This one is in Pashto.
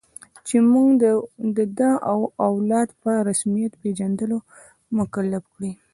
چې موږ د ده او اولاد په رسمیت پېژندلو مکلف کړي.